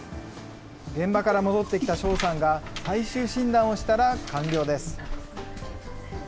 現場から戻ってきた正さんが最終診断をしたら完了です。